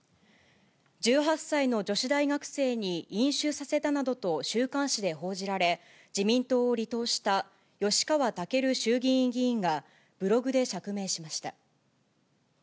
１８歳の女子大学生に飲酒させたなどと週刊誌で報じられ、自民党を離党した吉川赳衆議院議員が、ブログで釈明しました。